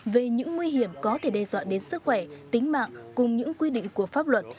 về những nguy hiểm có thể đe dọa đến sức khỏe tính mạng cùng những quy định của pháp luật